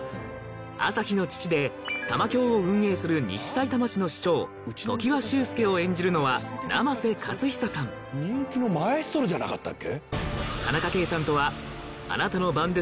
朝陽の父で玉響を運営する西さいたま市の市長常葉修介を演じるのは人気のマエストロじゃなかったっけ？